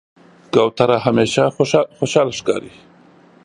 کوتره همیشه خوشحاله ښکاري.